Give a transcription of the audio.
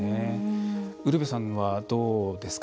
ウルヴェさんはどうですか。